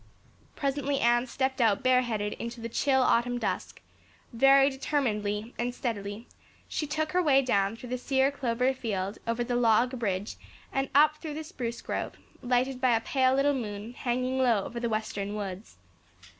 Presently Anne stepped out bareheaded into the chill autumn dusk; very determinedly and steadily she took her way down through the sere clover field over the log bridge and up through the spruce grove, lighted by a pale little moon hanging low over the western woods.